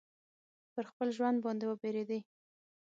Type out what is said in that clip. پر خپل ژوند باندي وبېرېدی.